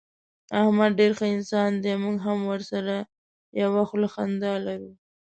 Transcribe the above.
احمد ډېر ښه انسان دی. موږ هم ورسره یوه خوله خندا لرو.